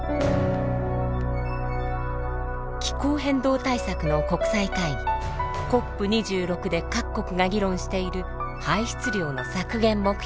気候変動対策の国際会議ＣＯＰ２６で各国が議論している排出量の削減目標。